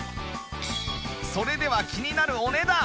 それでは気になるお値段